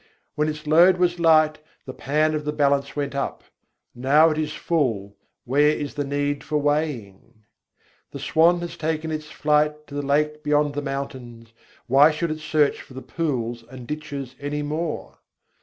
When its load was light, the pan of the balance went up: now it is full, where is the need for weighing? The swan has taken its flight to the lake beyond the mountains; why should it search for the pools and ditches any more?